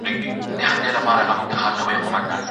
احمدشاه بابا یو ډېر مېړنی پاچا و.